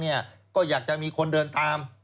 ก็อยากจะมีคนเดินตาม